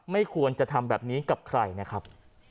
ไม่ควรจะทำแบบนี้กับใครนะครับ